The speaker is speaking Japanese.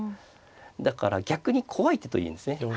だから逆に怖い手と言えるんですね。